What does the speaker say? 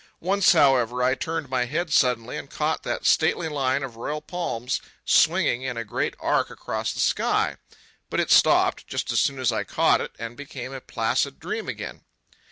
Once, however, I turned my head suddenly and caught that stately line of royal palms swinging in a great arc across the sky. But it stopped, just as soon as I caught it, and became a placid dream again.